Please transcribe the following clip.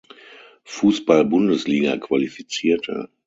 Fußball-Bundesliga qualifizierte.